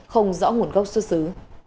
không rõ nguồn gốc xuất xứ